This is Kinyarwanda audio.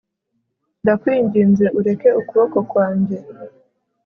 ndakwinginze ureke ukuboko kwanjye